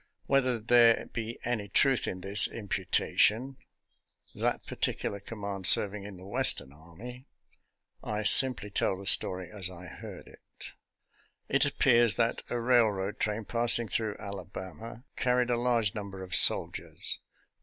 Whether there be any truth in this imputation — that particular command serving in the Western army — I sim ply tell the story as I heard it. It appears that a railroad train passing through Alabama car ried a large number of soldiers.